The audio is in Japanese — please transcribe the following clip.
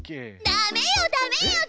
ダメよダメよ！